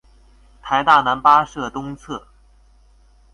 臺大男八舍東側